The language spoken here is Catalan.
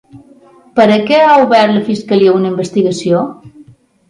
Per a què ha obert la fiscalia una investigació?